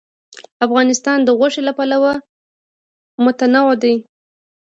افغانستان د غوښې له پلوه متنوع دی.